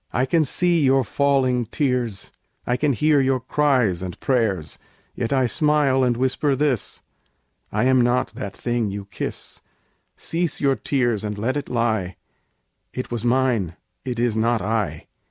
I can see your falling tears, I can hear your cries and prayers, Yet I smile and whisper this: "I am not that thing you kiss; Cease your tears and let it lie: It was mine, it is not I."